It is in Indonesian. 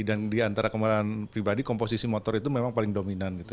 dan di antara kendaraan pribadi komposisi motor itu memang paling dominan